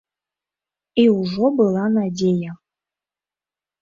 І ўжо была надзея.